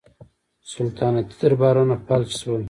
سلطنتي دربارونه فلج شول.